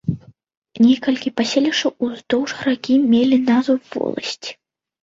Некалькі паселішчаў уздоўж ракі мелі назву воласці.